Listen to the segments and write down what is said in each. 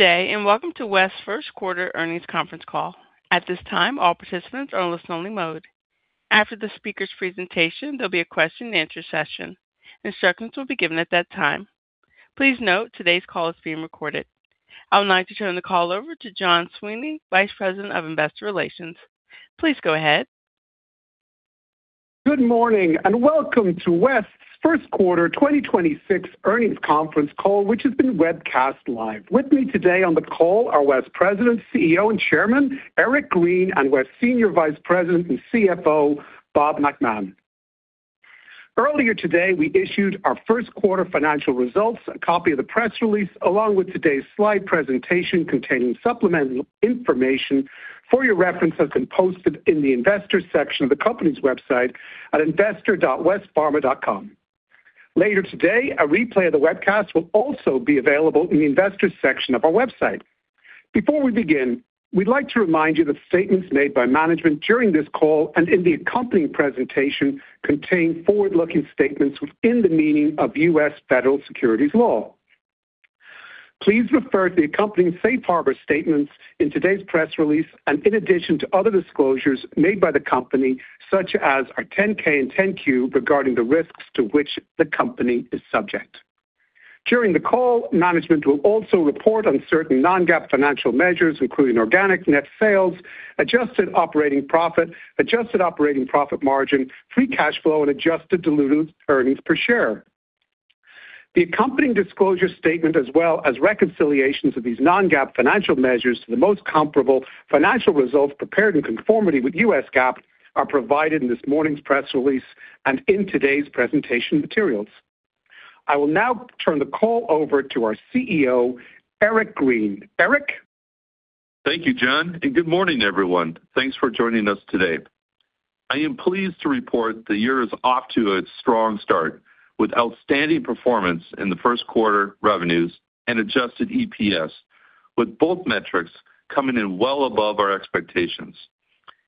Welcome to West's first quarter earnings conference call. At this time, all participants are in listen-only mode. After the speaker's presentation, there'll be a question and answer session. Instructions will be given at that time. Please note today's call is being recorded. I would like to turn the call over to John Sweeney, Vice President of Investor Relations. Please go ahead. Good morning and welcome to West's first quarter 2026 earnings conference call, which has been webcast live. With me today on the call are West President, CEO, and Chairman Eric Green, and West Senior Vice President and CFO Bob McMahon. Earlier today, we issued our first quarter financial results. A copy of the press release, along with today's slide presentation containing supplemental information for your reference, has been posted in the investors section of the company's website at investor.westpharma.com. Later today, a replay of the webcast will also be available in the investors section of our website. Before we begin, we'd like to remind you that statements made by management during this call and in the accompanying presentation contain forward-looking statements within the meaning of U.S. federal securities law. Please refer to the accompanying safe harbor statements in today's press release and in addition to other disclosures made by the company such as our 10-K and 10-Q regarding the risks to which the company is subject. During the call, management will also report on certain non-GAAP financial measures, including organic net sales, adjusted operating profit, adjusted operating profit margin, free cash flow, and adjusted diluted earnings per share. The accompanying disclosure statement as well as reconciliations of these non-GAAP financial measures to the most comparable financial results prepared in conformity with U.S. GAAP are provided in this morning's press release and in today's presentation materials. I will now turn the call over to our CEO, Eric Green. Eric? Thank you, John, and good morning, everyone. Thanks for joining us today. I am pleased to report the year is off to a strong start with outstanding performance in the first quarter revenues and adjusted EPS, with both metrics coming in well above our expectations.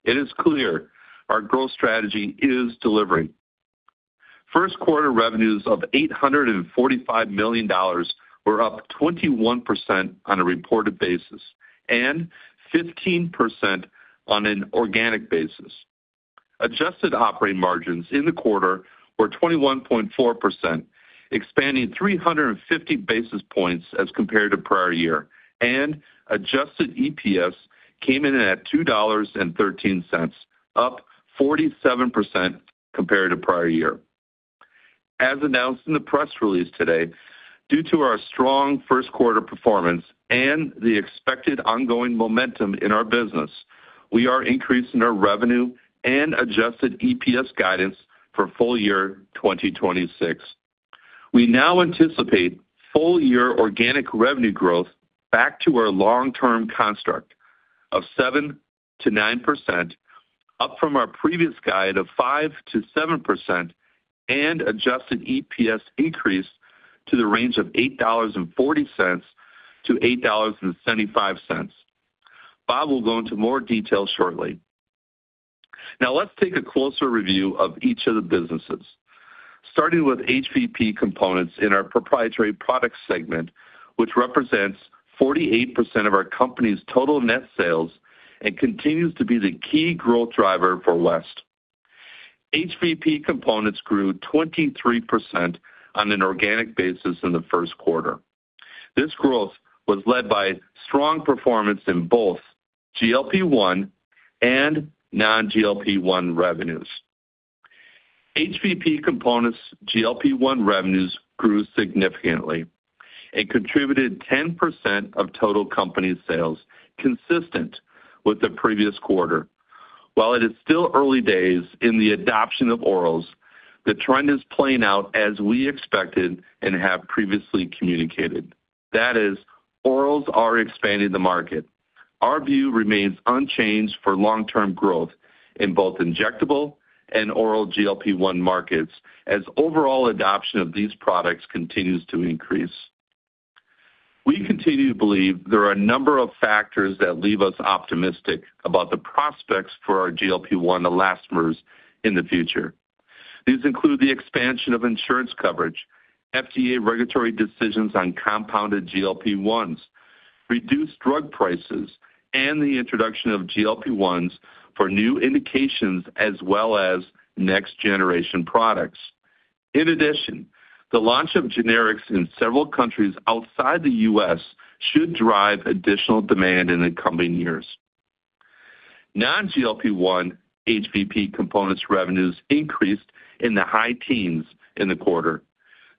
It is clear our growth strategy is delivering. First quarter revenues of $845 million were up 21% on a reported basis and 15% on an organic basis. Adjusted operating margins in the quarter were 21.4%, expanding 350 basis points as compared to prior year. Adjusted EPS came in at $2.13, up 47% compared to prior year. As announced in the press release today, due to our strong first quarter performance and the expected ongoing momentum in our business, we are increasing our revenue and adjusted EPS guidance for full year 2026. We now anticipate full year organic revenue growth back to our long-term construct of 7%-9% up from our previous guide of 5%-7% and adjusted EPS increase to the range of $8.40-$8.75. Bob will go into more detail shortly. Now let's take a closer review of each of the businesses. Starting with HVP components in our proprietary product segment, which represents 48% of our company's total net sales and continues to be the key growth driver for West. HVP components grew 23% on an organic basis in the first quarter. This growth was led by strong performance in both GLP-1 and non-GLP-1 revenues. HVP components GLP-1 revenues grew significantly and contributed 10% of total company sales, consistent with the previous quarter. While it is still early days in the adoption of orals, the trend is playing out as we expected and have previously communicated. That is, orals are expanding the market. Our view remains unchanged for long-term growth in both injectable and oral GLP-1 markets as overall adoption of these products continues to increase. We continue to believe there are a number of factors that leave us optimistic about the prospects for our GLP-1 elastomers in the future. These include the expansion of insurance coverage, FDA regulatory decisions on compounded GLP-1s, reduced drug prices, and the introduction of GLP-1s for new indications as well as next generation products. In addition, the launch of generics in several countries outside the U.S. should drive additional demand in the coming years. Non-GLP-1 HVP components revenues increased in the high teens in the quarter.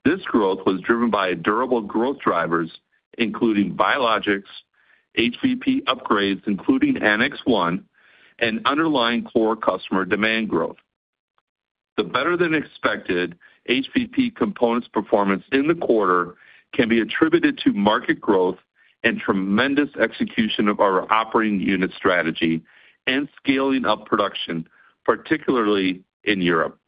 This growth was driven by durable growth drivers including biologics, HVP upgrades including Annex 1, and underlying core customer demand growth. The better-than-expected HVP components performance in the quarter can be attributed to market growth and tremendous execution of our operating unit strategy and scaling up production, particularly in Europe.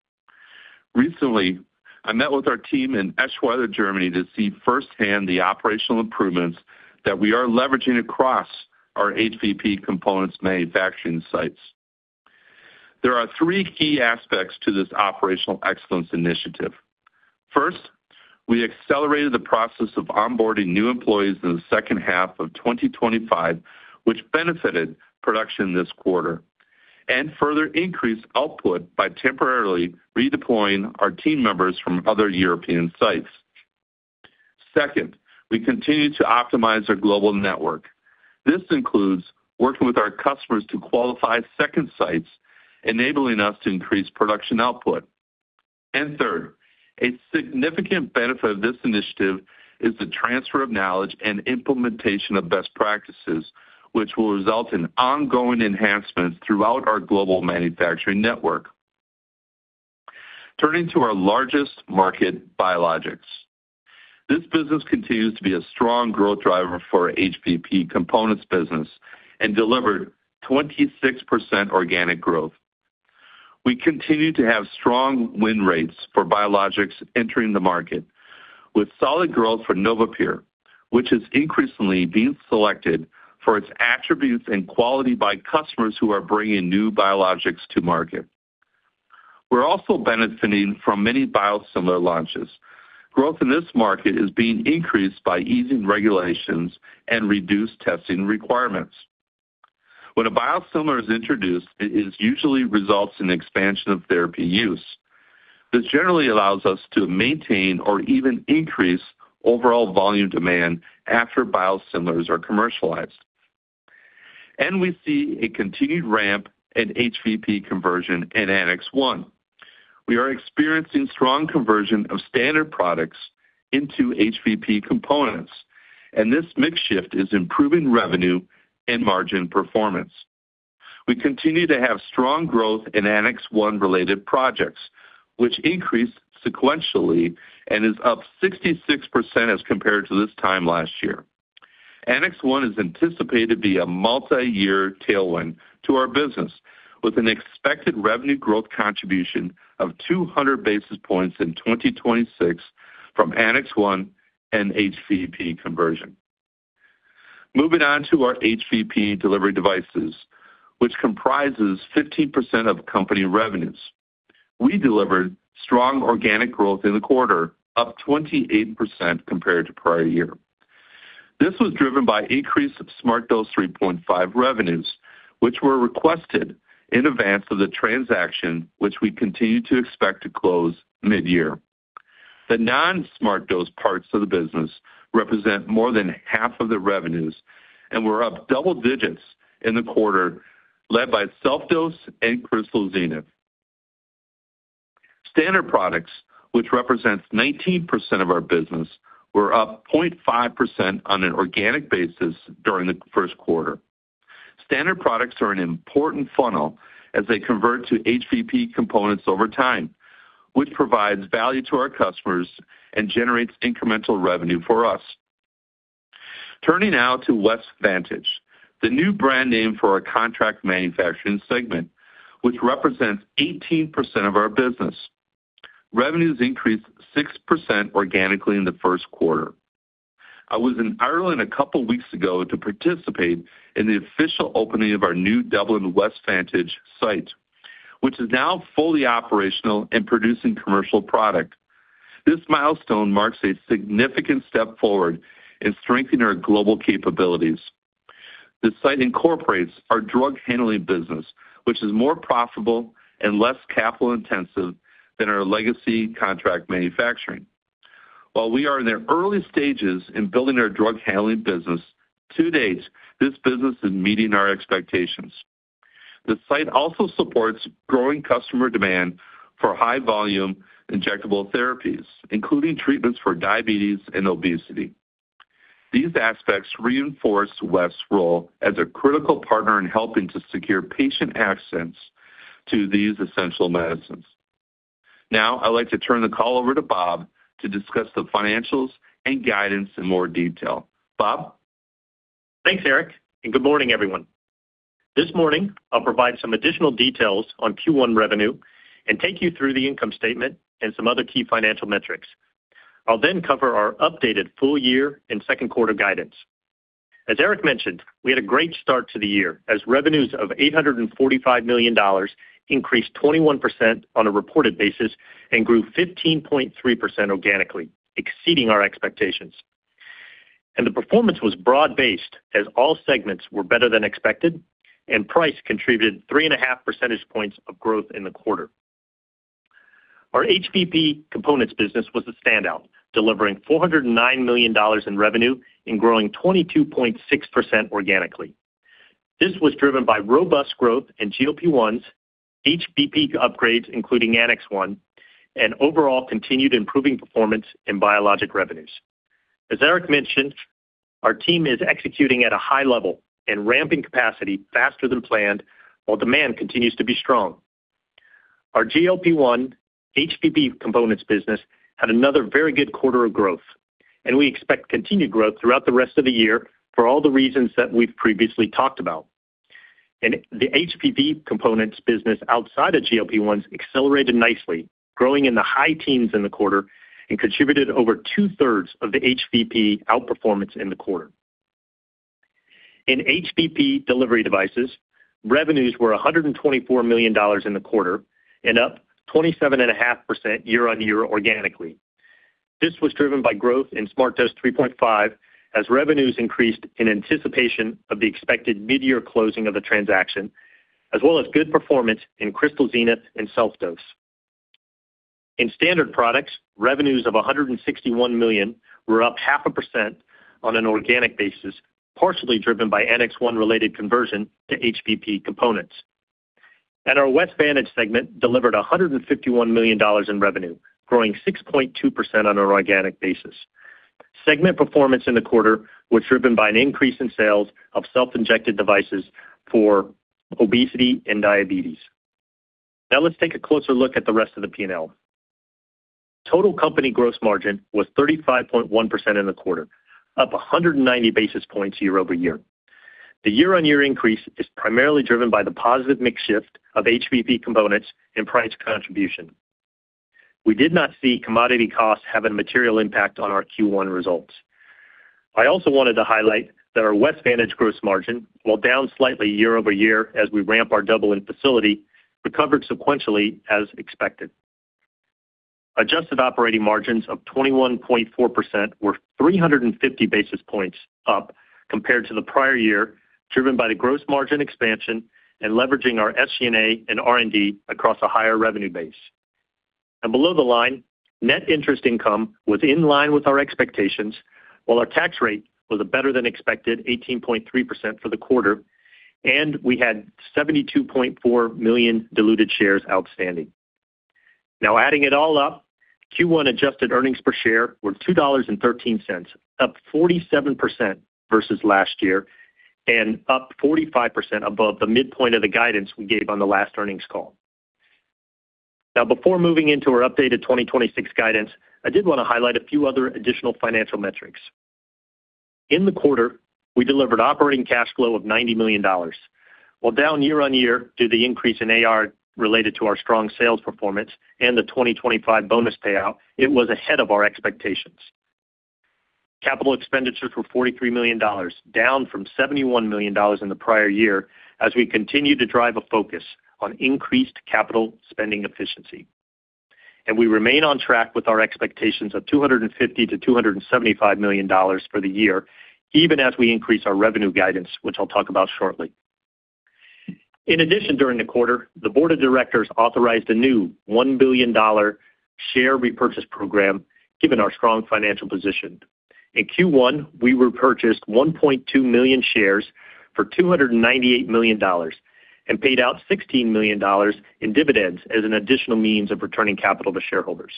Recently, I met with our team in Eschweiler, Germany, to see firsthand the operational improvements that we are leveraging across our HVP components manufacturing sites. There are three key aspects to this operational excellence initiative. First, we accelerated the process of onboarding new employees in the second half of 2025, which benefited production this quarter, and further increased output by temporarily redeploying our team members from other European sites. Second, we continue to optimize our global network. This includes working with our customers to qualify second sites, enabling us to increase production output. Third, a significant benefit of this initiative is the transfer of knowledge and implementation of best practices, which will result in ongoing enhancements throughout our global manufacturing network. Turning to our largest market, biologics. This business continues to be a strong growth driver for our HVP components business and delivered 26% organic growth. We continue to have strong win rates for biologics entering the market with solid growth for NovaPure, which is increasingly being selected for its attributes and quality by customers who are bringing new biologics to market. We're also benefiting from many biosimilar launches. Growth in this market is being increased by easing regulations and reduced testing requirements. When a biosimilar is introduced, it usually results in expansion of therapy use. This generally allows us to maintain or even increase overall volume demand after biosimilars are commercialized. We see a continued ramp in HVP conversion in Annex 1. We are experiencing strong conversion of Standard Products into HVP components, and this mix shift is improving revenue and margin performance. We continue to have strong growth in Annex 1 related projects, which increased sequentially and is up 66% as compared to this time last year. Annex 1 is anticipated to be a multi-year tailwind to our business with an expected revenue growth contribution of 200 basis points in 2026 from Annex 1 and HVP conversion. Moving on to our HVP Delivery Devices, which comprises 15% of company revenues. We delivered strong organic growth in the quarter, up 28% compared to prior year. This was driven by an increase in SmartDose 3.5 revenues, which were requested in advance of the transaction, which we continue to expect to close mid-year. The non-SmartDose parts of the business represent more than half of the revenues and were up double digits in the quarter, led by SelfDose and Crystal Zenith. Standard Products, which represents 19% of our business, were up 0.5% on an organic basis during the first quarter. Standard Products are an important funnel as they convert to HVP components over time, which provides value to our customers and generates incremental revenue for us. Turning now to West Vantage, the new brand name for our contract manufacturing segment, which represents 18% of our business. Revenues increased 6% organically in the first quarter. I was in Ireland a couple weeks ago to participate in the official opening of our new Dublin West Vantage site, which is now fully operational and producing commercial product. This milestone marks a significant step forward in strengthening our global capabilities. The site incorporates our drug handling business, which is more profitable and less capital intensive than our legacy contract manufacturing. While we are in the early stages in building our drug handling business, to date, this business is meeting our expectations. The site also supports growing customer demand for high volume injectable therapies, including treatments for diabetes and obesity. These aspects reinforce West's role as a critical partner in helping to secure patient access to these essential medicines. Now I'd like to turn the call over to Bob to discuss the financials and guidance in more detail. Bob? Thanks, Eric, and good morning, everyone. This morning I'll provide some additional details on Q1 revenue and take you through the income statement and some other key financial metrics. I'll then cover our updated full year and second quarter guidance. As Eric mentioned, we had a great start to the year as revenues of $845 million increased 21% on a reported basis and grew 15.3% organically, exceeding our expectations. The performance was broad-based as all segments were better than expected, and price contributed 3.5 percentage points of growth in the quarter. Our HVP components business was a standout, delivering $409 million in revenue and growing 22.6% organically. This was driven by robust growth in GLP-1s, HVP upgrades, including Annex 1, and overall continued improving performance in biologics revenues. As Eric mentioned, our team is executing at a high level and ramping capacity faster than planned, while demand continues to be strong. Our GLP-1 HVP components business had another very good quarter of growth, and we expect continued growth throughout the rest of the year for all the reasons that we've previously talked about. The HVP components business outside of GLP-1s accelerated nicely, growing in the high teens in the quarter and contributed over two-thirds of the HVP outperformance in the quarter. In HVP delivery devices, revenues were $124 million in the quarter and up 27.5% year-on-year organically. This was driven by growth in SmartDose 3.5 as revenues increased in anticipation of the expected midyear closing of the transaction, as well as good performance in Crystal Zenith and SelfDose. In Standard Products, revenues of $161 million were up 0.5% on an organic basis, partially driven by Annex 1 related conversion to HVP components. Our West Vantage segment delivered $151 million in revenue, growing 6.2% on an organic basis. Segment performance in the quarter was driven by an increase in sales of self-injected devices for obesity and diabetes. Now let's take a closer look at the rest of the P&L. Total company gross margin was 35.1% in the quarter, up 190 basis points year-over-year. The year-on-year increase is primarily driven by the positive mix shift of HVP components and price contribution. We did not see commodity costs have a material impact on our Q1 results. I also wanted to highlight that our West Vantage gross margin, while down slightly year-over-year as we ramp our Dublin facility, recovered sequentially as expected. Adjusted operating margins of 21.4% were 350 basis points up compared to the prior year, driven by the gross margin expansion and leveraging our SG&A and R&D across a higher revenue base. Below the line, net interest income was in line with our expectations, while our tax rate was a better-than-expected 18.3% for the quarter, and we had 72.4 million diluted shares outstanding. Now adding it all up, Q1 adjusted earnings per share were $2.13, up 47% versus last year and up 45% above the midpoint of the guidance we gave on the last earnings call. Now, before moving into our updated 2026 guidance, I did want to highlight a few other additional financial metrics. In the quarter, we delivered operating cash flow of $90 million. While down year-on-year due to the increase in AR related to our strong sales performance and the 2025 bonus payout, it was ahead of our expectations. Capital expenditures were $43 million, down from $71 million in the prior year, as we continue to drive a focus on increased capital spending efficiency. We remain on track with our expectations of $250 million-$275 million for the year, even as we increase our revenue guidance, which I'll talk about shortly. In addition, during the quarter, the board of directors authorized a new $1 billion share repurchase program, given our strong financial position. In Q1, we repurchased 1.2 million shares for $298 million and paid out $16 million in dividends as an additional means of returning capital to shareholders.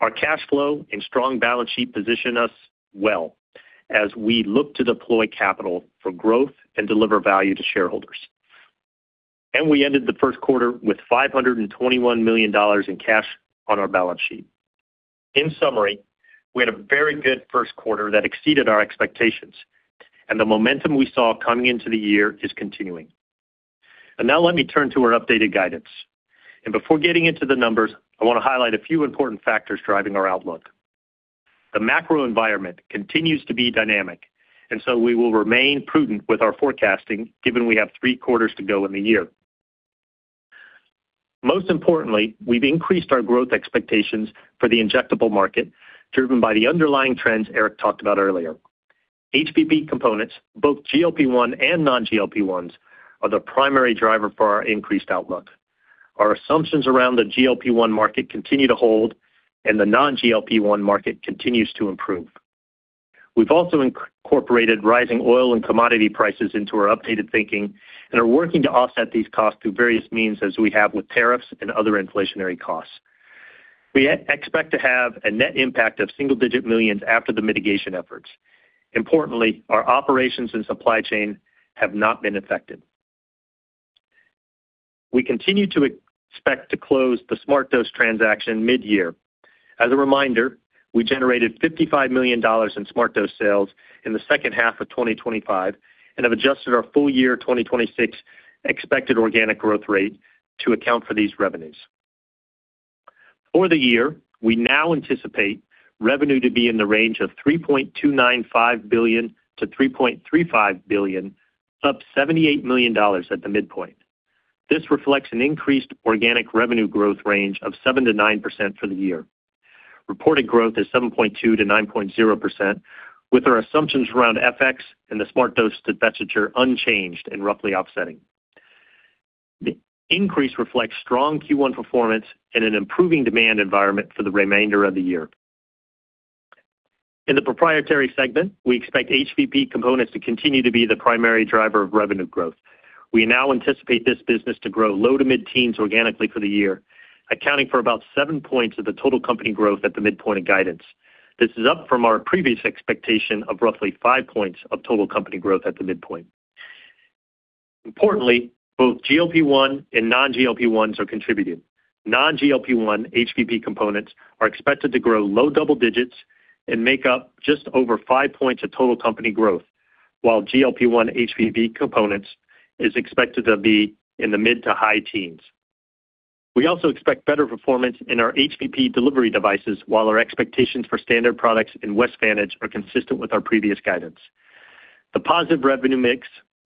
Our cash flow and strong balance sheet position us well as we look to deploy capital for growth and deliver value to shareholders. We ended the first quarter with $521 million in cash on our balance sheet. In summary, we had a very good first quarter that exceeded our expectations, and the momentum we saw coming into the year is continuing. Now let me turn to our updated guidance. Before getting into the numbers, I want to highlight a few important factors driving our outlook. The macro environment continues to be dynamic, and so we will remain prudent with our forecasting given we have three quarters to go in the year. Most importantly, we've increased our growth expectations for the injectable market, driven by the underlying trends Eric talked about earlier. HVP components, both GLP-1 and non-GLP-1s, are the primary driver for our increased outlook. Our assumptions around the GLP-1 market continue to hold, and the non-GLP-1 market continues to improve. We've also incorporated rising oil and commodity prices into our updated thinking and are working to offset these costs through various means as we have with tariffs and other inflationary costs. We expect to have a net impact of single-digit millions after the mitigation efforts. Importantly, our operations and supply chain have not been affected. We continue to expect to close the SmartDose transaction mid-year. As a reminder, we generated $55 million in SmartDose sales in the second half of 2025 and have adjusted our full year 2026 expected organic growth rate to account for these revenues. For the year, we now anticipate revenue to be in the range of $3.295 billion-$3.35 billion, up $78 million at the midpoint. This reflects an increased organic revenue growth range of 7%-9% for the year. Reported growth is 7.2%-9.0% with our assumptions around FX and the SmartDose divestiture unchanged and roughly offsetting. The increase reflects strong Q1 performance and an improving demand environment for the remainder of the year. In the proprietary segment, we expect HVP components to continue to be the primary driver of revenue growth. We now anticipate this business to grow low to mid-teens organically for the year, accounting for about seven points of the total company growth at the midpoint of guidance. This is up from our previous expectation of roughly five points of total company growth at the midpoint. Importantly, both GLP-1 and non-GLP-1s are contributing. Non-GLP-1 HVP components are expected to grow low double digits and make up just over 5 points of total company growth, while GLP-1 HVP components is expected to be in the mid- to high teens. We also expect better performance in our HVP delivery devices while our expectations for Standard Products in West Vantage are consistent with our previous guidance. The positive revenue mix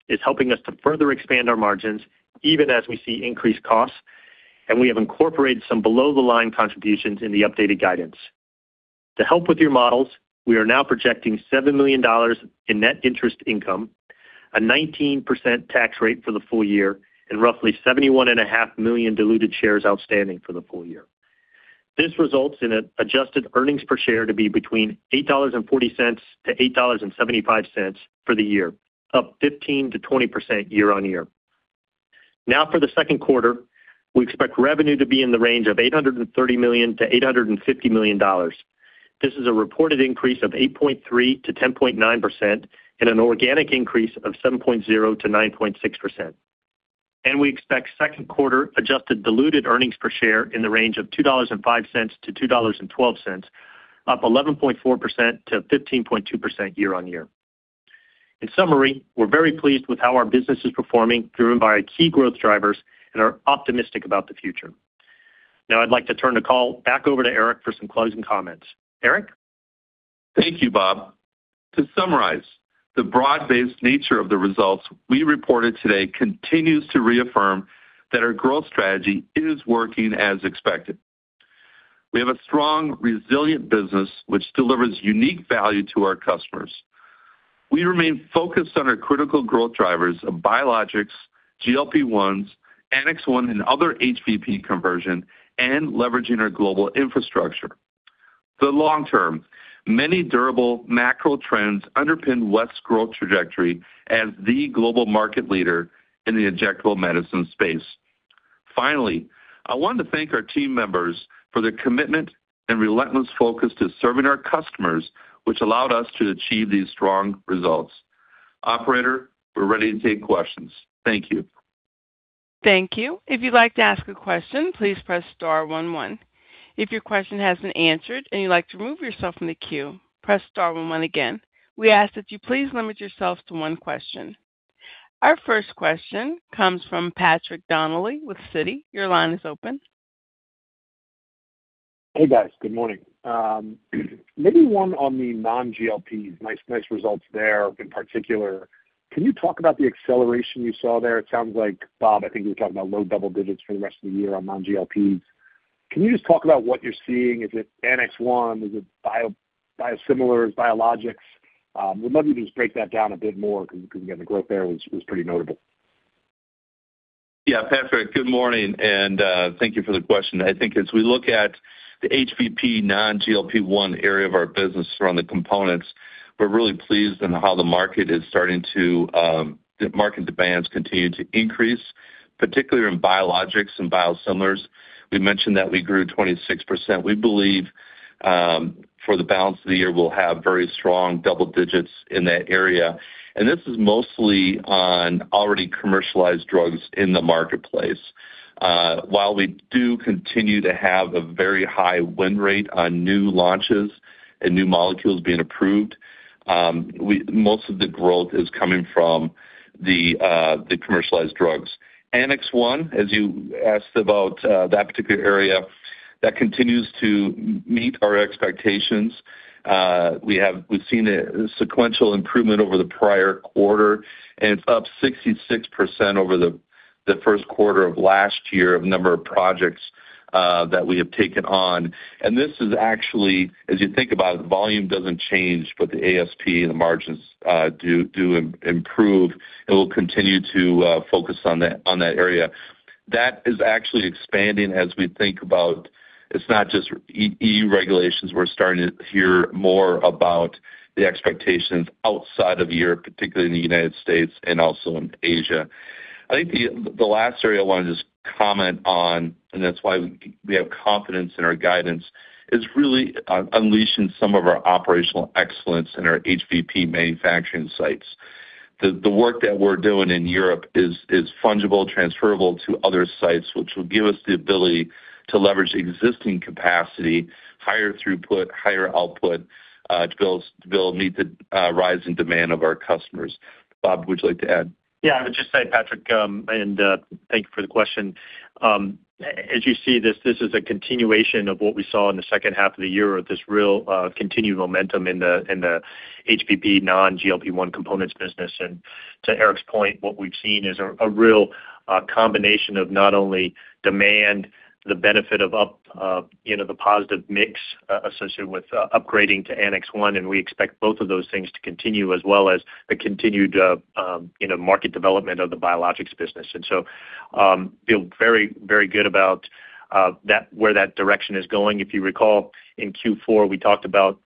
is helping us to further expand our margins even as we see increased costs, and we have incorporated some below the line contributions in the updated guidance. To help with your models, we are now projecting $7 million in net interest income, a 19% tax rate for the full year, and roughly 71.5 million diluted shares outstanding for the full year. This results in an adjusted earnings per share to be between $8.40 to $8.75 for the year, up 15%-20% year-over-year. Now for the second quarter, we expect revenue to be in the range of $830 million-$850 million. This is a reported increase of 8.3%-10.9% and an organic increase of 7.0%-9.6%. We expect second quarter adjusted diluted earnings per share in the range of $2.05-$2.12, up 11.4%-15.2% year-over-year. In summary, we're very pleased with how our business is performing, driven by key growth drivers, and are optimistic about the future. Now I'd like to turn the call back over to Eric for some closing comments. Eric? Thank you, Bob. To summarize, the broad-based nature of the results we reported today continues to reaffirm that our growth strategy is working as expected. We have a strong, resilient business which delivers unique value to our customers. We remain focused on our critical growth drivers of biologics, GLP-1s, Annex 1, and other HVP conversion and leveraging our global infrastructure. For the long term, many durable macro trends underpin West's growth trajectory as the global market leader in the injectable medicine space. Finally, I want to thank our team members for their commitment and relentless focus to serving our customers, which allowed us to achieve these strong results. Operator, we're ready to take questions. Thank you. Thank you. If you'd like to ask a question, please press star one one. If your question has been answered and you'd like to remove yourself from the queue, press star one one again. We ask that you please limit yourself to one question. Our first question comes from Patrick Donnelly with Citi. Your line is open. Hey, guys. Good morning. Maybe one on the non-GLPs. Nice results there in particular. Can you talk about the acceleration you saw there? It sounds like, Bob, I think you were talking about low double digits for the rest of the year on non-GLPs. Can you just talk about what you're seeing? Is it Annex 1? Is it biosimilars, biologics? Would love you to just break that down a bit more because, again, the growth there was pretty notable. Yeah, Patrick, good morning, and thank you for the question. I think as we look at the HVP non-GLP-1 area of our business around the components, we're really pleased on how the market demands continue to increase, particularly in biologics and biosimilars. We mentioned that we grew 26%. We believe for the balance of the year, we'll have very strong double digits in that area. This is mostly on already commercialized drugs in the marketplace. While we do continue to have a very high win rate on new launches and new molecules being approved, most of the growth is coming from the commercialized drugs. Annex 1, as you asked about that particular area, that continues to meet our expectations. We've seen a sequential improvement over the prior quarter, and it's up 66% over the first quarter of last year in the number of projects that we have taken on. This is actually, as you think about it, volume doesn't change, but the ASP and the margins do improve, and we'll continue to focus on that area. That is actually expanding as we think about it's not just EU regulations. We're starting to hear more about the expectations outside of Europe, particularly in the U.S. and also in Asia. I think the last area I want to just comment on, and that's why we have confidence in our guidance, is really unleashing some of our operational excellence in our HVP manufacturing sites. The work that we're doing in Europe is fungible, transferable to other sites, which will give us the ability to leverage existing capacity, higher throughput, higher output to be able to meet the rise in demand of our customers. Bob, would you like to add? Yeah, I would just say, Patrick, and thank you for the question. As you see, this is a continuation of what we saw in the second half of the year with this real continued momentum in the HVP non-GLP-1 components business. To Eric's point, what we've seen is a real combination of not only demand, the benefit of the positive mix associated with upgrading to Annex 1, and we expect both of those things to continue, as well as the continued market development of the biologics business. Feel very good about where that direction is going. If you recall, in Q4, we talked about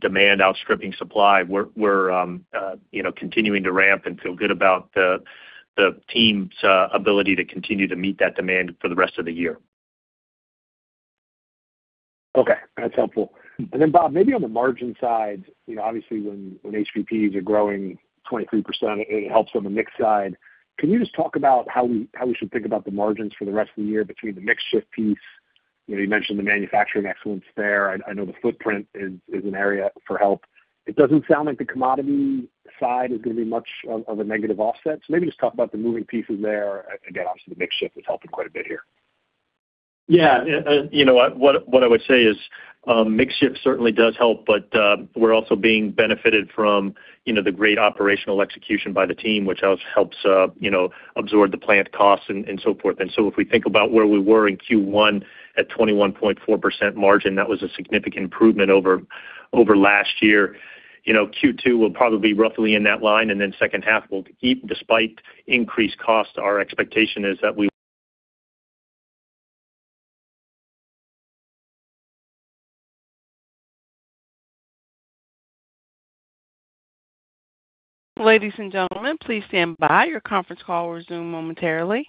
demand outstripping supply. We're continuing to ramp and feel good about the team's ability to continue to meet that demand for the rest of the year. Okay, that's helpful. Bob, maybe on the margin side, obviously when HVPs are growing 23%, it helps on the mix side. Can you just talk about how we should think about the margins for the rest of the year between the mix shift piece? You mentioned the manufacturing excellence there. I know the footprint is an area for help. It doesn't sound like the commodity side is going to be much of a negative offset. Maybe just talk about the moving pieces there. Again, obviously, the mix shift is helping quite a bit here. Yeah. What I would say is mix shift certainly does help, but we're also being benefited from the great operational execution by the team, which helps absorb the plant costs and so forth. If we think about where we were in Q1 at 21.4% margin, that was a significant improvement over last year. Q2 will probably be roughly in that line, and then second half will keep despite increased costs, our expectation is that we- Ladies and gentlemen, please stand by. Your conference call will resume momentarily.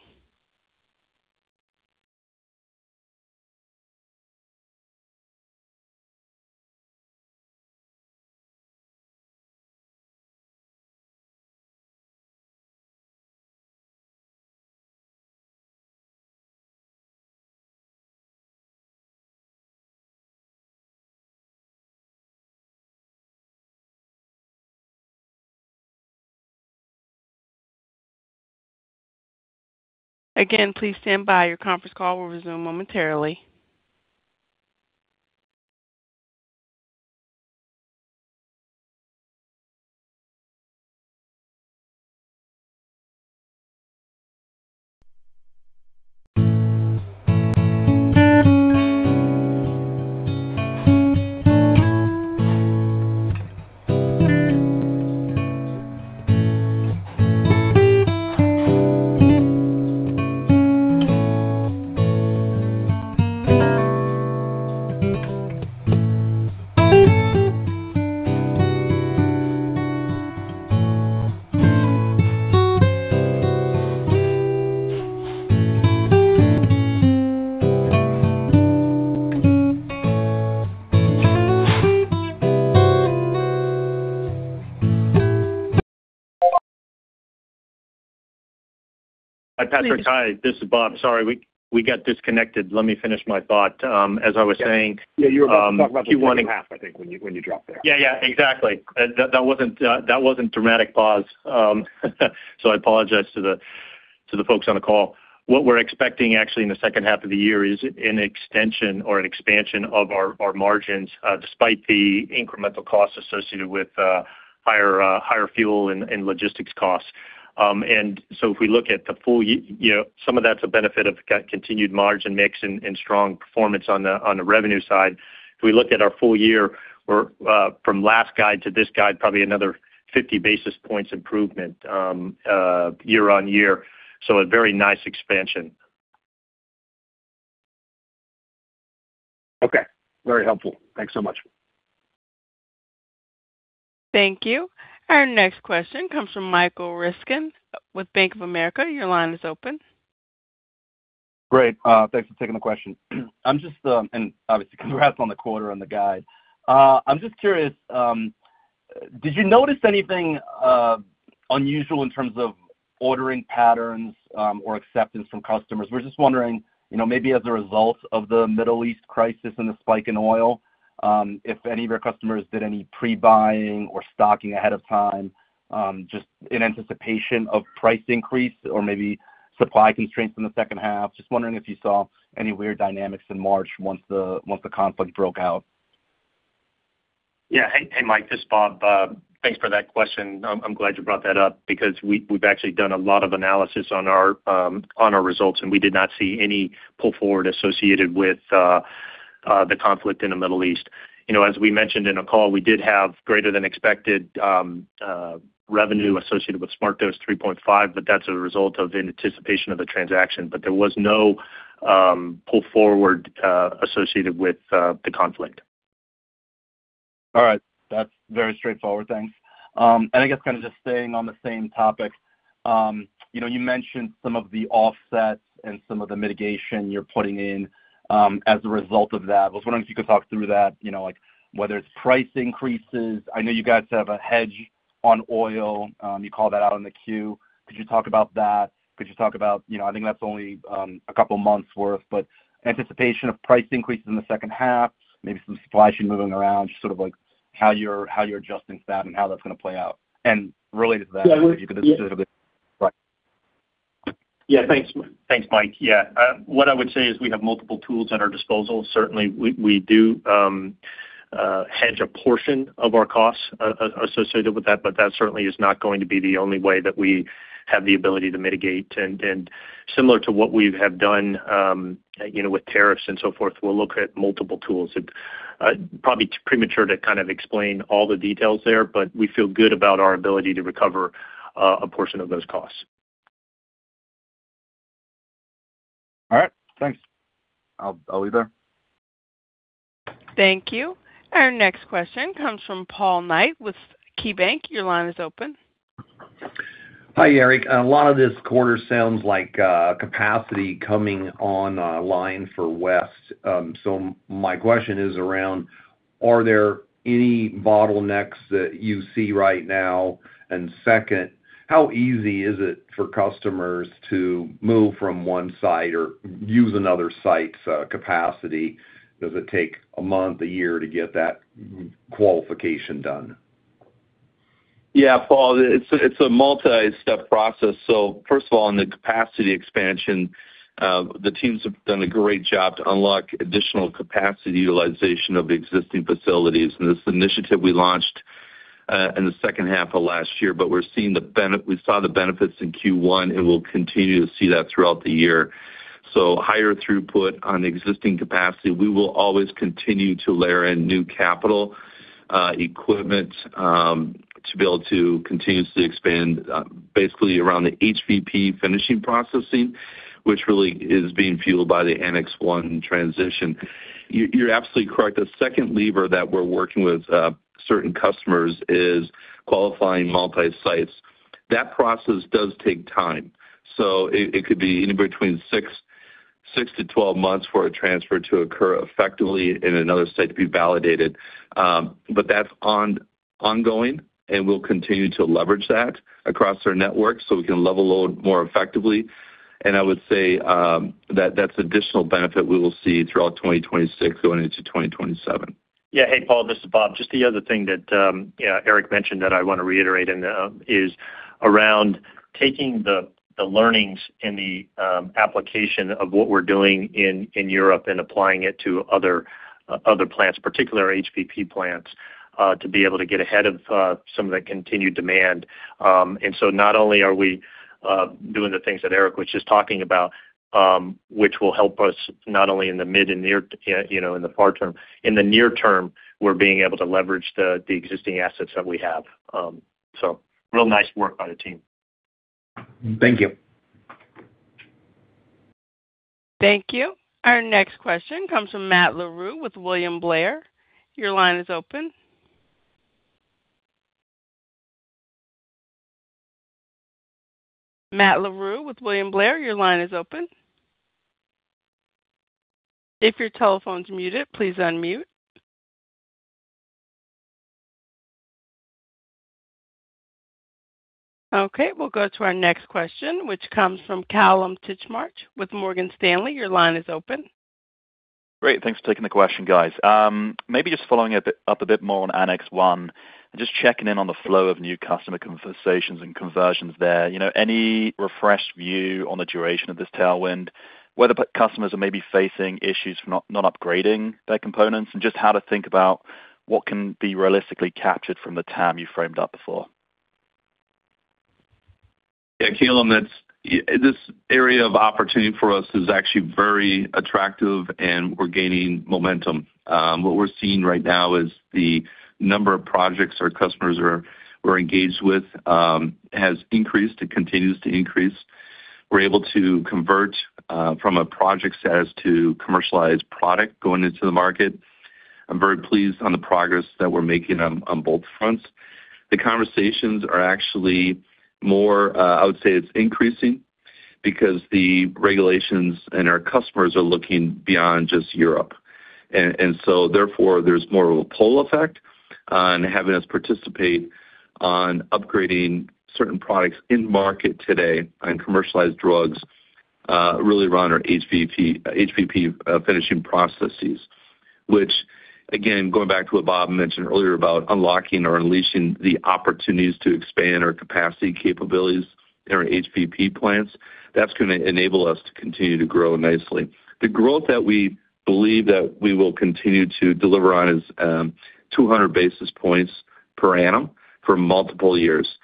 Again, please stand by. Your conference call will resume momentarily. Hi, Patrick. Hi, this is Bob. Sorry, we got disconnected. Let me finish my thought. As I was saying, Yeah, you were about to talk about the second half, I think, when you dropped there. Yeah, exactly. That wasn't a dramatic pause. I apologize to the folks on the call. What we're expecting, actually, in the second half of the year is an extension or an expansion of our margins despite the incremental costs associated with higher fuel and logistics costs. Some of that's a benefit of continued margin mix and strong performance on the revenue side. If we look at our full year, from last guide to this guide, probably another 50 basis points improvement year-over-year. A very nice expansion. Okay. Very helpful. Thanks so much. Thank you. Our next question comes from Michael Ryskin with Bank of America. Your line is open. Great. Thanks for taking the question. Obviously, congrats on the quarter and the guide. I'm just curious, did you notice anything unusual in terms of ordering patterns or acceptance from customers? We're just wondering, maybe as a result of the Middle East crisis and the spike in oil, if any of your customers did any pre-buying or stocking ahead of time, just in anticipation of price increase or maybe supply constraints in the second half. Just wondering if you saw any weird dynamics in March once the conflict broke out. Yeah. Hey, Mike, this is Bob. Thanks for that question. I'm glad you brought that up because we've actually done a lot of analysis on our results, and we did not see any pull forward associated with the conflict in the Middle East. As we mentioned in the call, we did have greater than expected revenue associated with SmartDose 3.5, but that's a result of in anticipation of the transaction. There was no pull forward associated with the conflict. All right. That's very straightforward. Thanks. I guess kind of just staying on the same topic. You mentioned some of the offsets and some of the mitigation you're putting in as a result of that. I was wondering if you could talk through that, like whether it's price increases. I know you guys have a hedge on oil. You called that out on the Q. Could you talk about that? Could you talk about, I think that's only a couple of months worth, but anticipation of price increases in the second half, maybe some supply chain moving around, just sort of how you're adjusting to that and how that's going to play out. Related to that- Yeah, thanks, Mike. Yeah. What I would say is we have multiple tools at our disposal. Certainly, we do hedge a portion of our costs associated with that, but that certainly is not going to be the only way that we have the ability to mitigate. Similar to what we have done with tariffs and so forth, we'll look at multiple tools. Probably premature to kind of explain all the details there, but we feel good about our ability to recover a portion of those costs. All right. Thanks. I'll leave it there. Thank you. Our next question comes from Paul Knight with KeyBanc. Your line is open. Hi, Eric. A lot of this quarter sounds like capacity coming online for West. My question is around, are there any bottlenecks that you see right now? Second, how easy is it for customers to move from one site or use another site's capacity? Does it take a month, a year, to get that qualification done? Yeah, Paul, it's a multi-step process. First of all, on the capacity expansion, the teams have done a great job to unlock additional capacity utilization of existing facilities, and this initiative we launched in the second half of last year. We saw the benefits in Q1, and we'll continue to see that throughout the year. Higher throughput on existing capacity. We will always continue to layer in new capital equipment to be able to continuously expand basically around the HVP finishing processing, which really is being fueled by the Annex 1 transition. You're absolutely correct. The second lever that we're working with certain customers is qualifying multi-sites. That process does take time. It could be anywhere between 6-12 months for a transfer to occur effectively in another site to be validated. That's ongoing, and we'll continue to leverage that across our network so we can level load more effectively. I would say that's additional benefit we will see throughout 2026 going into 2027. Yeah. Hey, Paul, this is Bob. Just the other thing that Eric mentioned that I want to reiterate is around taking the learnings and the application of what we're doing in Europe and applying it to other plants, particularly our HVP plants, to be able to get ahead of some of the continued demand. Not only are we doing the things that Eric was just talking about which will help us not only in the long term. In the near term, we're being able to leverage the existing assets that we have. Real nice work by the team. Thank you. Thank you. Our next question comes from Matthew Larew with William Blair. Your line is open. Matthew Larew with William Blair, your line is open. If your telephone's muted, please unmute. Okay, we'll go to our next question, which comes from Kallum Titchmarsh with Morgan Stanley. Your line is open. Great. Thanks for taking the question, guys. Maybe just following up a bit more on Annex 1, and just checking in on the flow of new customer conversations and conversions there. Any refreshed view on the duration of this tailwind, whether customers are maybe facing issues for not upgrading their components and just how to think about what can be realistically captured from the TAM you framed up before? Yeah, Kallum, this area of opportunity for us is actually very attractive, and we're gaining momentum. What we're seeing right now is the number of projects our customers we're engaged with has increased and continues to increase. We're able to convert from a project status to commercialized product going into the market. I'm very pleased on the progress that we're making on both fronts. The conversations are actually more, I would say it's increasing because the regulations and our customers are looking beyond just Europe. Therefore, there's more of a pull effect on having us participate on upgrading certain products in market today on commercialized drugs really around our HVP finishing processes, which again, going back to what Bob mentioned earlier about unlocking or unleashing the opportunities to expand our capacity capabilities in our HVP plants, that's going to enable us to continue to grow nicely. The growth that we believe that we will continue to deliver on is 200 basis points per annum for multiple years.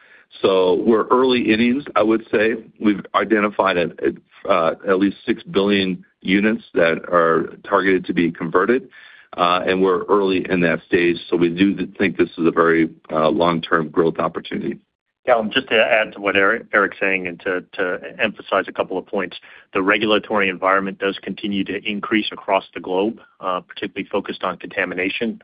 We're early innings, I would say. We've identified at least 6 billion units that are targeted to be converted, and we're early in that stage. We do think this is a very long-term growth opportunity. Kallum, just to add to what Eric's saying and to emphasize a couple of points, the regulatory environment does continue to increase across the globe, particularly focused on contamination.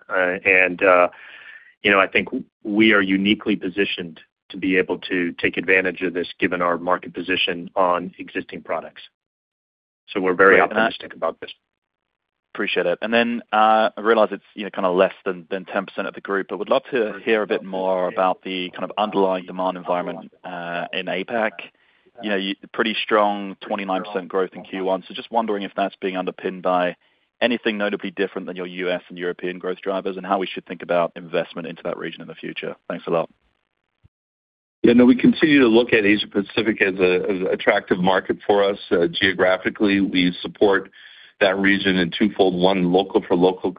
I think we are uniquely positioned to be able to take advantage of this given our market position on existing products. We're very optimistic about this. Appreciate it. Then I realize it's kind of less than 10% of the group, but would love to hear a bit more about the kind of underlying demand environment in APAC. Pretty strong 29% growth in Q1. Just wondering if that's being underpinned by anything notably different than your U.S. and European growth drivers, and how we should think about investment into that region in the future. Thanks a lot. Yeah, no, we continue to look at Asia Pacific as an attractive market for us geographically. We support that region in twofold. One, local for local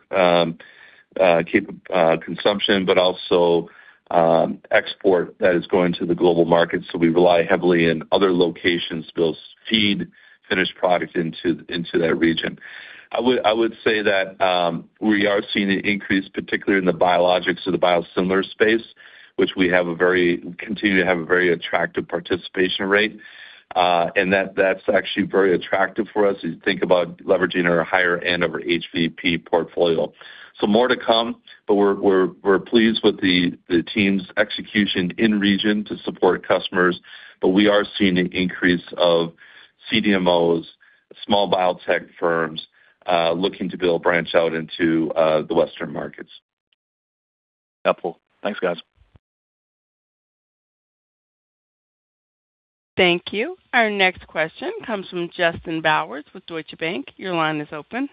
consumption, but also export that is going to the global market. We rely heavily in other locations to be able to feed finished product into that region. I would say that we are seeing an increase, particularly in the biologics or the biosimilars space, which we continue to have a very attractive participation rate. That's actually very attractive for us as you think about leveraging our higher end of our HVP portfolio. More to come, but we're pleased with the team's execution in region to support customers. We are seeing an increase of CDMOs, small biotech firms looking to be able to branch out into the Western markets. Helpful. Thanks, guys. Thank you. Our next question comes from Justin Bowers with Deutsche Bank. Your line is open.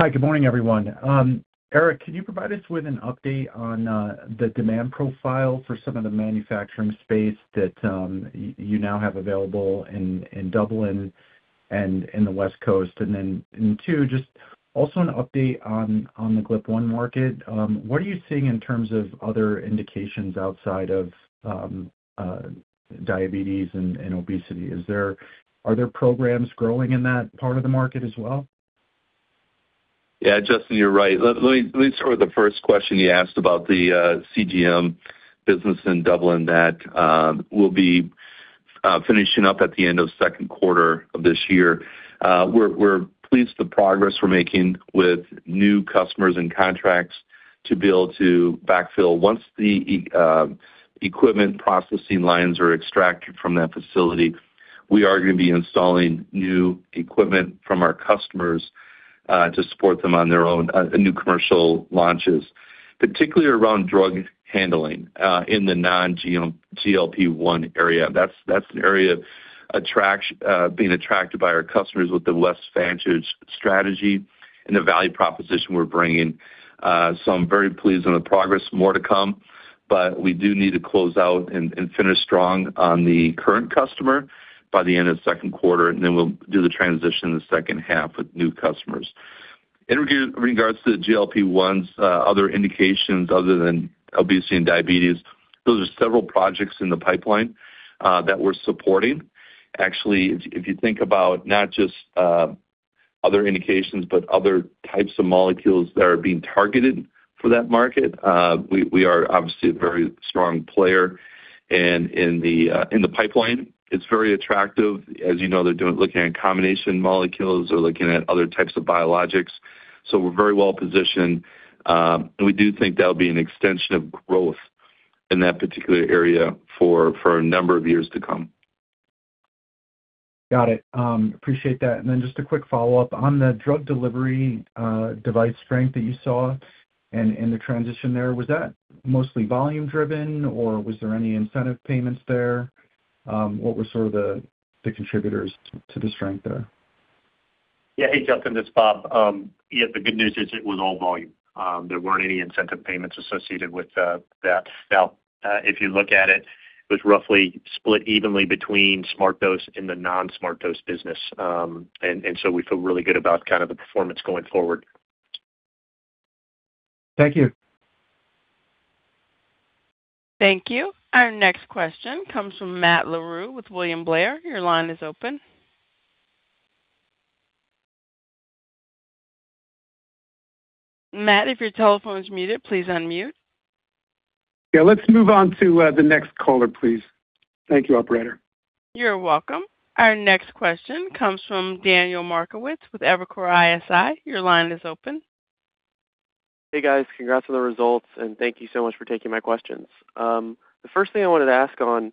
Hi. Good morning, everyone. Eric, can you provide us with an update on the demand profile for some of the manufacturing space that you now have available in Dublin and in the West Coast? Two, just also an update on the GLP-1 market. What are you seeing in terms of other indications outside of diabetes and obesity? Are there programs growing in that part of the market as well? Yeah, Justin, you're right. Let me start with the first question you asked about the CGM business in Dublin that we'll be finishing up at the end of second quarter of this year. We're pleased with the progress we're making with new customers and contracts to be able to backfill. Once the equipment processing lines are extracted from that facility, we are going to be installing new equipment from our customers to support them on their own new commercial launches, particularly around drug handling in the non-GLP-1 area. That's an area being attracted by our customers with the West Vantage strategy and the value proposition we're bringing. I'm very pleased with the progress. More to come, but we do need to close out and finish strong on the current customer by the end of the second quarter, and then we'll do the transition in the second half with new customers. In regards to the GLP-1s, other indications other than obesity and diabetes, those are several projects in the pipeline that we're supporting. Actually, if you think about not just other indications, but other types of molecules that are being targeted for that market, we are obviously a very strong player and in the pipeline, it's very attractive. As you know, they're looking at combination molecules. They're looking at other types of biologics. We're very well-positioned, and we do think that'll be an extension of growth in that particular area for a number of years to come. Got it. Appreciate that. Just a quick follow-up. On the drug delivery device strength that you saw and the transition there, was that mostly volume driven, or was there any incentive payments there? What were sort of the contributors to the strength there? Yeah. Hey, Justin, this is Bob. Yeah, the good news is it was all volume. There weren't any incentive payments associated with that. Now, if you look at it was roughly split evenly between SmartDose and the non-SmartDose business. We feel really good about the performance going forward. Thank you. Thank you. Our next question comes from Matt Larew with William Blair. Your line is open. Matt, if your telephone is muted, please unmute. Yeah. Let's move on to the next caller, please. Thank you, operator. You're welcome. Our next question comes from Daniel Markowitz with Evercore ISI. Your line is open. Hey, guys, congrats on the results, and thank you so much for taking my questions. The first thing I wanted to ask on,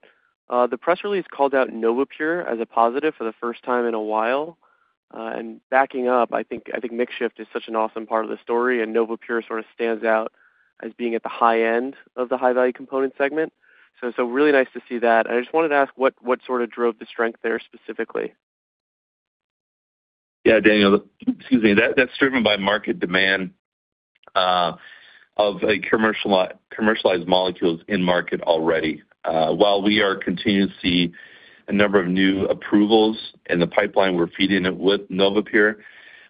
the press release called out NovaPure as a positive for the first time in a while. Backing up, I think mix shift is such an awesome part of the story, and NovaPure sort of stands out as being at the high end of the high-value component segment. Really nice to see that. I just wanted to ask what sort of drove the strength there specifically? Yeah, Daniel. Excuse me. That's driven by market demand of commercialized molecules in market already. While we are continuing to see a number of new approvals in the pipeline, we're feeding it with NovaPure,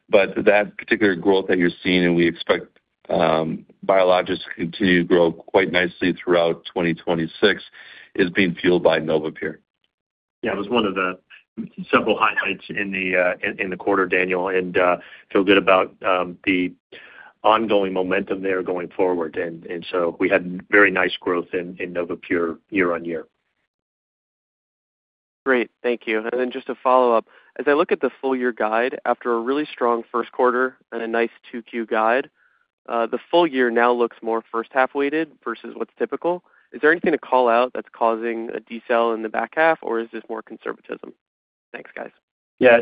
but that particular growth that you're seeing, and we expect biologics to continue to grow quite nicely throughout 2026, is being fueled by NovaPure. Yeah. It was one of the several highlights in the quarter, Daniel, and we feel good about the ongoing momentum there going forward. We had very nice growth in NovaPure year-over-year. Great. Thank you. Just a follow-up. As I look at the full-year guide after a really strong first quarter and a nice Q2 guide, the full year now looks more first half-weighted versus what's typical. Is there anything to call out that's causing a decel in the back half, or is this more conservatism? Thanks, guys. Yeah.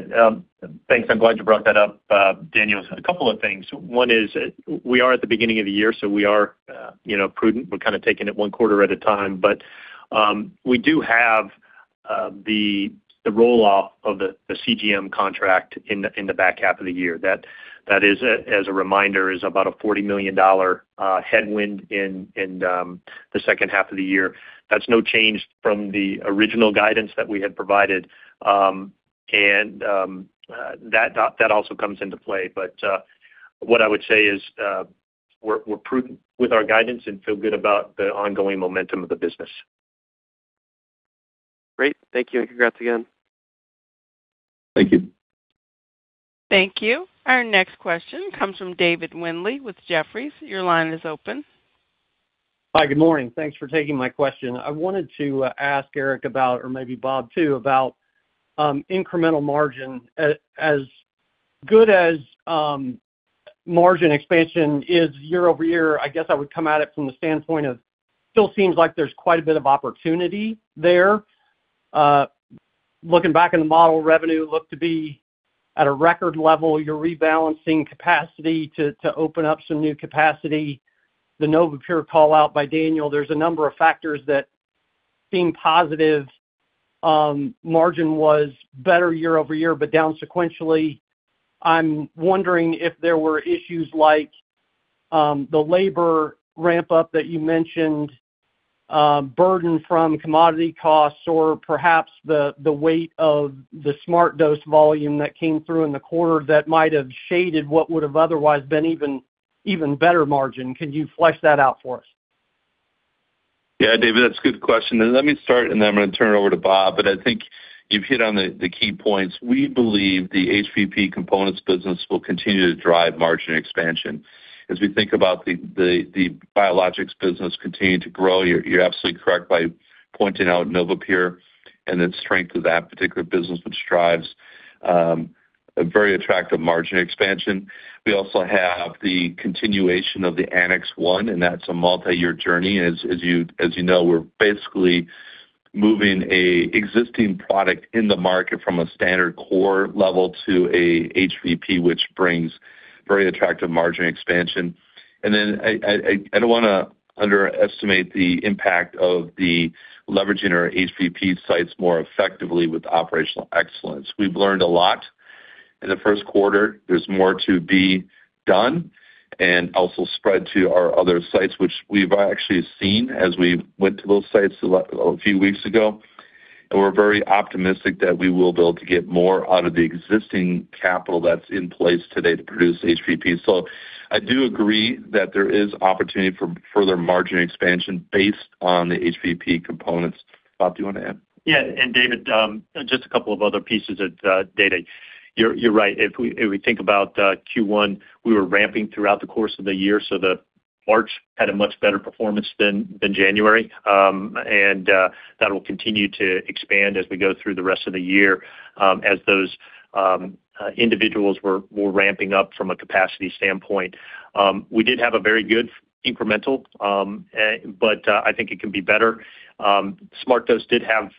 Thanks. I'm glad you brought that up, Daniel. A couple of things. One is we are at the beginning of the year, so we are prudent. We're taking it one quarter at a time. We do have the roll-off of the CGM contract in the back half of the year. That is, as a reminder, is about a $40 million headwind in the second half of the year. That's no change from the original guidance that we had provided, and that also comes into play. What I would say is we're prudent with our guidance and feel good about the ongoing momentum of the business. Great. Thank you, and congrats again. Thank you. Thank you. Our next question comes from David Windley with Jefferies. Your line is open. Hi. Good morning. Thanks for taking my question. I wanted to ask Eric about, or maybe Bob too, about incremental margin. As good as margin expansion is year-over-year. I guess I would come at it from the standpoint of still seems like there's quite a bit of opportunity there. Looking back on the model revenue, looked to be at a record level. You're rebalancing capacity to open up some new capacity. The NovaPure callout by Daniel, there's a number of factors that seem positive. Margin was better year-over-year, but down sequentially. I'm wondering if there were issues like the labor ramp-up that you mentioned, burden from commodity costs, or perhaps the weight of the SmartDose volume that came through in the quarter that might have shaded what would've otherwise been even better margin. Could you flesh that out for us? Yeah, David, that's a good question, and let me start, and then I'm going to turn it over to Bob, but I think you've hit on the key points. We believe the HVP components business will continue to drive margin expansion. As we think about the biologics business continuing to grow, you're absolutely correct by pointing out NovaPure and the strength of that particular business which drives a very attractive margin expansion. We also have the continuation of the Annex 1, and that's a multi-year journey. As you know, we're basically moving an existing product in the market from a standard core level to a HVP, which brings very attractive margin expansion. I don't want to underestimate the impact of leveraging our HVP sites more effectively with operational excellence. We've learned a lot in the first quarter. There's more to be done and also spread to our other sites, which we've actually seen as we went to those sites a few weeks ago. We're very optimistic that we will be able to get more out of the existing capital that's in place today to produce HVP. I do agree that there is opportunity for further margin expansion based on the HVP components. Bob, do you want to add? Yeah. David, just a couple of other pieces of data. You're right. If we think about Q1, we were ramping throughout the course of the year, so the March had a much better performance than January. That'll continue to expand as we go through the rest of the year, as those individuals were ramping up from a capacity standpoint. We did have a very good incremental, but I think it can be better. SmartDose did have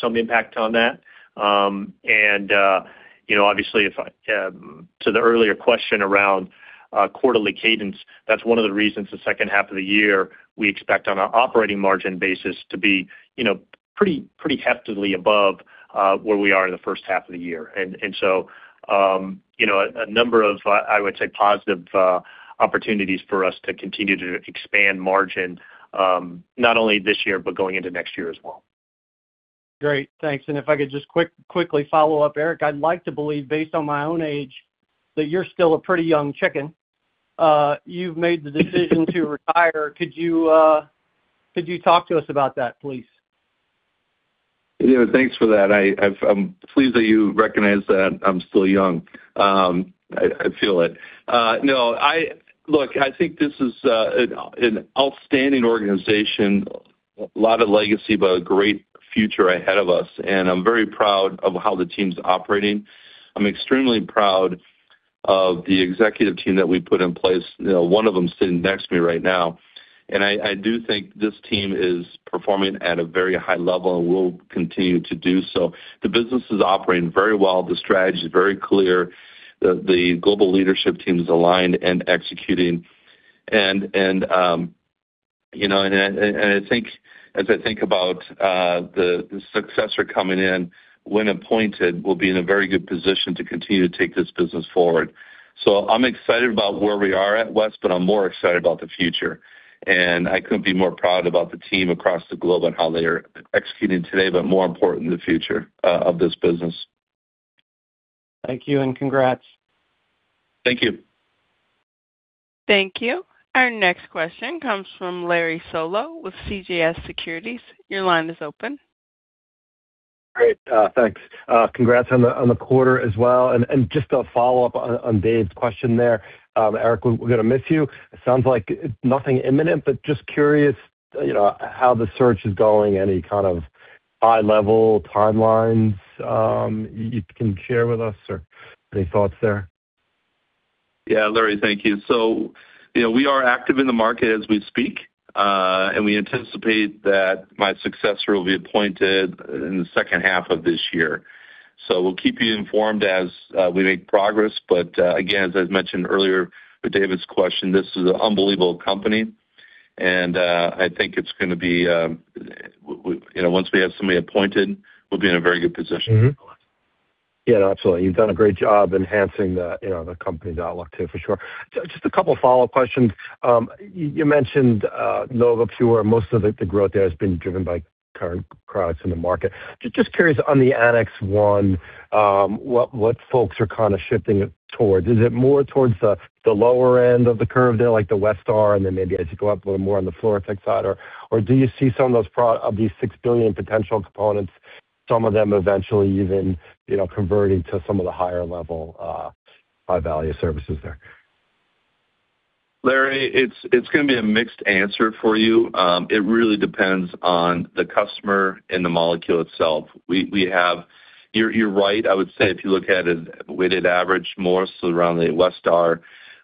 some impact on that. Obviously, to the earlier question around quarterly cadence, that's one of the reasons the second half of the year, we expect on our operating margin basis to be pretty heftily above where we are in the first half of the year. A number of, I would say, positive opportunities for us to continue to expand margin, not only this year, but going into next year as well. Great. Thanks. If I could just quickly follow up, Eric, I'd like to believe, based on my own age, that you're still a pretty young chicken. You've made the decision to retire. Could you talk to us about that, please? David, thanks for that. I'm pleased that you recognize that I'm still young. I feel it. Look, I think this is an outstanding organization, a lot of legacy, but a great future ahead of us, and I'm very proud of how the team's operating. I'm extremely proud of the executive team that we put in place, one of them sitting next to me right now. I do think this team is performing at a very high level, and will continue to do so. The business is operating very well. The strategy is very clear. The global leadership team is aligned and executing. As I think about the successor coming in, when appointed, we'll be in a very good position to continue to take this business forward. I'm excited about where we are at West, but I'm more excited about the future. I couldn't be more proud about the team across the globe and how they are executing today, but more important, the future of this business. Thank you, and congrats. Thank you. Thank you. Our next question comes from Larry Solow with CJS Securities. Your line is open. Great. Thanks. Congrats on the quarter as well. Just to follow up on Dave's question there, Eric, we're going to miss you. It sounds like nothing imminent, but just curious how the search is going. Any kind of high-level timelines you can share with us or any thoughts there? Yeah. Larry, thank you. We are active in the market as we speak. We anticipate that my successor will be appointed in the second half of this year. We'll keep you informed as we make progress, but, again, as I've mentioned earlier with David's question, this is an unbelievable company, and I think it's going to be. Once we have somebody appointed, we'll be in a very good position. Yeah, absolutely. You've done a great job enhancing the company dialogue too, for sure. Just a couple follow-up questions. You mentioned NovaPure. Most of the growth there has been driven by current products in the market. Just curious on the Annex 1, what folks are kind of shifting it towards. Is it more towards the lower end of the curve there, like the Westar, and then maybe as you go up a little more on the Fluorotec side? Or do you see some of these 6 billion potential components, some of them eventually even converting to some of the higher level of value services there? Larry, it's going to be a mixed answer for you. It really depends on the customer and the molecule itself. You're right. I would say if you look at a weighted average, more so around the Westar,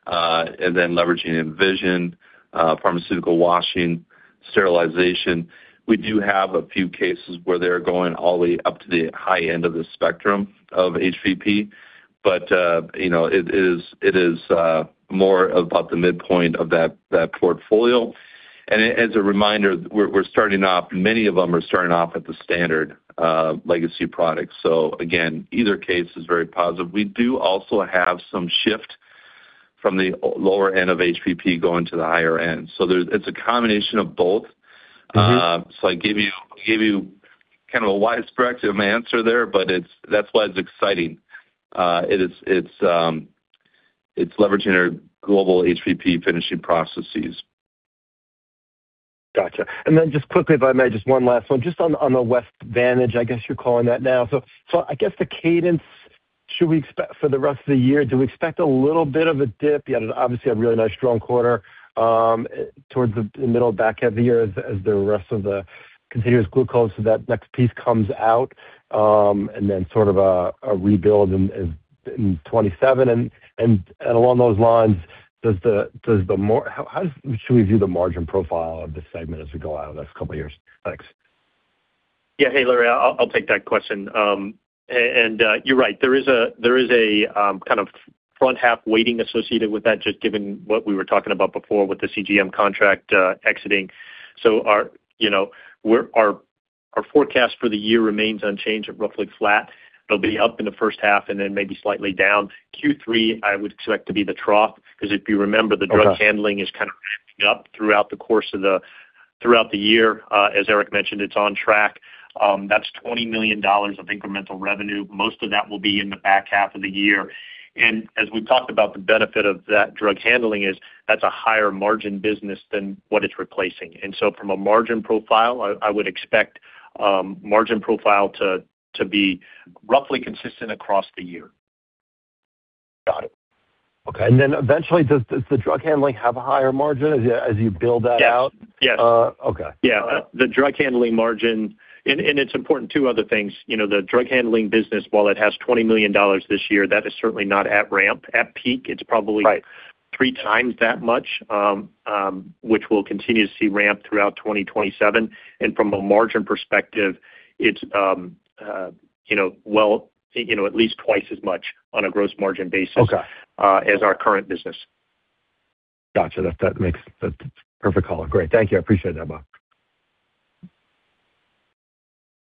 and then leveraging Envision, pharmaceutical washing, sterilization. We do have a few cases where they're going all the way up to the high end of the spectrum of HVP. It is more about the midpoint of that portfolio. As a reminder, many of them are starting off at the standard legacy product. Again, either case is very positive. We do also have some shift from the lower end of HVP going to the higher end. It's a combination of both. Mm-hmm. I gave you kind of a wide spectrum answer there, but that's why it's exciting. It's leveraging our global HVP finishing processes. Got you. Just quickly, if I may, just one last one. Just on the West Vantage, I guess you're calling that now. I guess the cadence should we expect for the rest of the year, do we expect a little bit of a dip? You had obviously a really nice strong quarter towards the middle back end of the year as the rest of the continuous glucose so that next piece comes out, and then sort of a rebuild in 2027. Along those lines, how should we view the margin profile of the segment as we go out in the next couple of years? Thanks. Yeah. Hey, Larry, I'll take that question. You're right, there is a kind of front half weighting associated with that, just given what we were talking about before with the CGM contract exiting. Our forecast for the year remains unchanged at roughly flat. It'll be up in the first half and then maybe slightly down. Q3, I would expect to be the trough, because if you remember, the drug handling is kind of ramping up throughout the year. As Eric mentioned, it's on track. That's $20 million of incremental revenue. Most of that will be in the back half of the year. As we've talked about, the benefit of that drug handling is that's a higher margin business than what it's replacing. From a margin profile, I would expect margin profile to be roughly consistent across the year. Got it. Okay. Eventually, does the drug handling have a higher margin as you build that out? Yes. Okay. Yeah. The drug handling margin, and it's important, two other things. The drug handling business, while it has $20 million this year, that is certainly not at ramp. At peak, it's probably- Right. Three times that much, which we'll continue to see ramp throughout 2027. From a margin perspective, it's at least twice as much on a gross margin basis. Okay. As our current business. Got you. That's perfect follow-up. Great. Thank you. I appreciate that, Bob.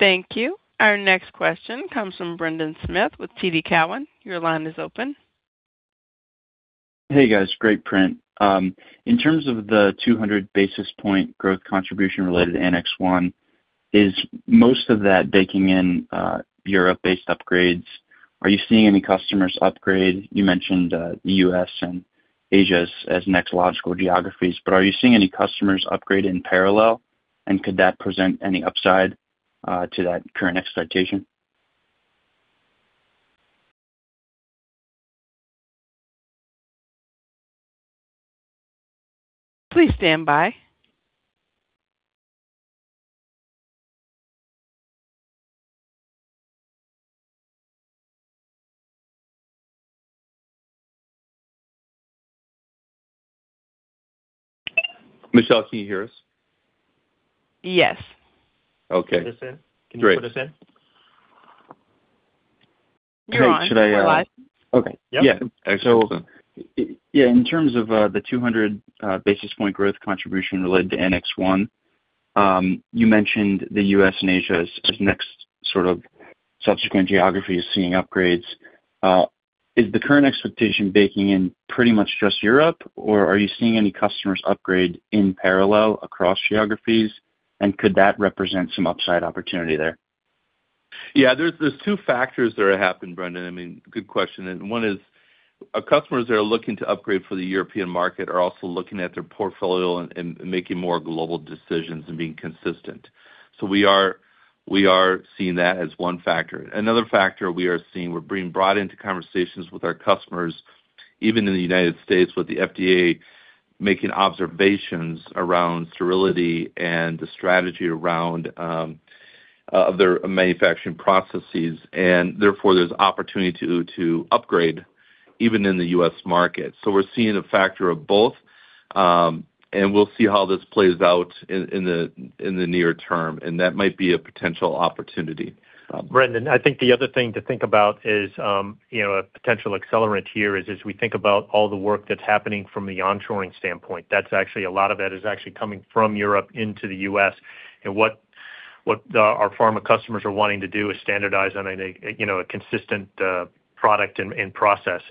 Thank you. Our next question comes from Brendan Smith with TD Cowen. Your line is open. Hey, guys. Great print. In terms of the 200 basis point growth contribution related to Annex 1, is most of that baking in Europe-based upgrades? Are you seeing any customers upgrade? You mentioned the U.S. and Asia as next logical geographies, but are you seeing any customers upgrade in parallel? Could that present any upside to that current expectation? Please stand by. Michelle, can you hear us? Yes. Okay. Can you put us in? You're on. Go ahead. Okay. Yeah. In terms of the 200 basis point growth contribution related to Annex 1, you mentioned the U.S. and Asia as next sort of subsequent geographies seeing upgrades. Is the current expectation baking in pretty much just Europe, or are you seeing any customers upgrade in parallel across geographies, and could that represent some upside opportunity there? Yeah. There's two factors that are happening, Brendan. Good question. One is, our customers that are looking to upgrade for the European market are also looking at their portfolio and making more global decisions and being consistent. We are seeing that as one factor. Another factor we are seeing, we're being brought into conversations with our customers, even in the United States, with the FDA making observations around sterility and the strategy around other manufacturing processes, and therefore there's opportunity to upgrade even in the U.S. market. We're seeing a factor of both, and we'll see how this plays out in the near term, and that might be a potential opportunity. Brendan, I think the other thing to think about is a potential accelerant here is as we think about all the work that's happening from the on-shoring standpoint. A lot of that is actually coming from Europe into the U.S., and what our pharma customers are wanting to do is standardize on a consistent product and process.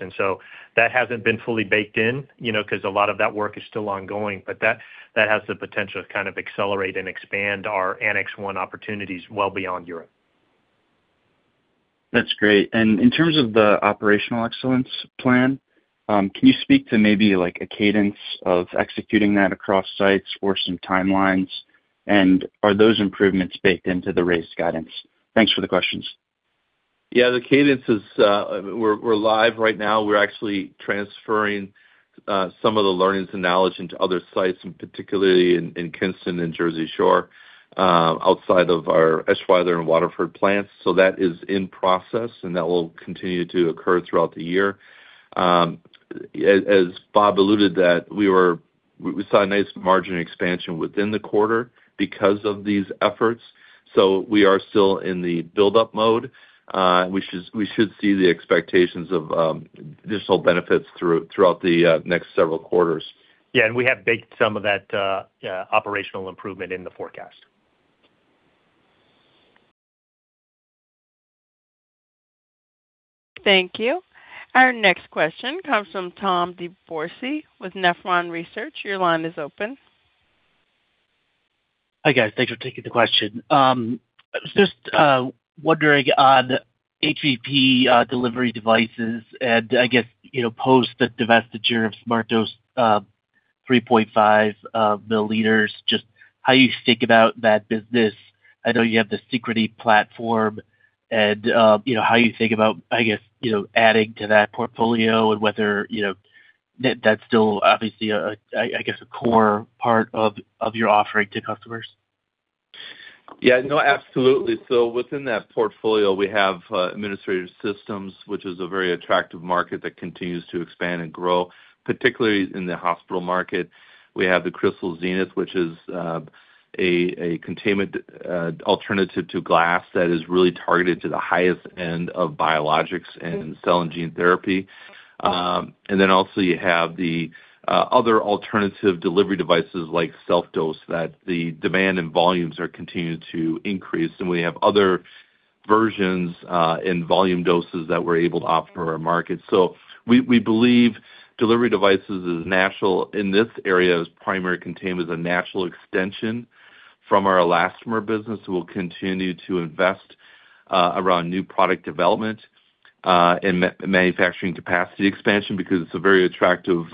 That hasn't been fully baked in, because a lot of that work is still ongoing, but that has the potential to kind of accelerate and expand our Annex 1 opportunities well beyond Europe. That's great. In terms of the operational excellence plan, can you speak to maybe, like, a cadence of executing that across sites or some timelines? And are those improvements baked into the raised guidance? Thanks for the questions. Yeah, the cadence is we're live right now. We're actually transferring some of the learnings and knowledge into other sites, and particularly in Kinston and Jersey Shore, outside of our Eschweiler and Waterford plants. That is in process, and that will continue to occur throughout the year. As Bob alluded that we saw a nice margin expansion within the quarter because of these efforts. We are still in the build-up mode. We should see the expectations of additional benefits throughout the next several quarters. Yeah. We have baked some of that operational improvement in the forecast. Thank you. Our next question comes from Thomas DeBourcy with Nephron Research. Your line is open. Hi, guys. Thanks for taking the question. I was just wondering on HVP delivery devices and, I guess, post the divestiture of SmartDose 3.5 milliliters, just how you think about that business. I know you have the Securi platform and how you think about, I guess, adding to that portfolio and whether that's still obviously, I guess, a core part of your offering to customers. Yeah. No, absolutely. Within that portfolio, we have administrative systems, which is a very attractive market that continues to expand and grow, particularly in the hospital market. We have the Crystal Zenith, which is a containment alternative to glass that is really targeted to the highest end of biologics and cell and gene therapy. You have the other alternative delivery devices like SelfDose that the demand and volumes are continuing to increase. We have other versions in volume doses that we're able to offer our market. We believe delivery devices is natural in this area as primary containment is a natural extension from our elastomer business. We'll continue to invest around new product development, and manufacturing capacity expansion because it's a very attractive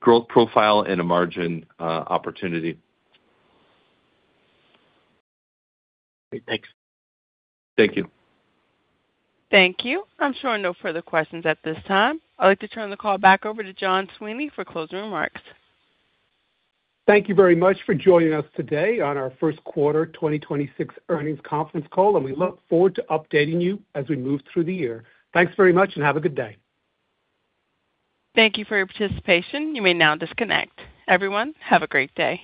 growth profile and a margin opportunity. Great. Thanks. Thank you. Thank you. I'm showing no further questions at this time. I'd like to turn the call back over to John Sweeney for closing remarks. Thank you very much for joining us today on our first quarter 2026 earnings conference call. We look forward to updating you as we move through the year. Thanks very much and have a good day. Thank you for your participation. You may now disconnect. Everyone, have a great day.